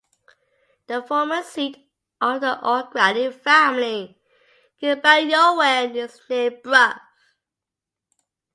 The former seat of the O'Grady family, Kilballyowen, is near Bruff.